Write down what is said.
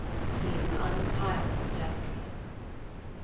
"He is an untiring pedestrian."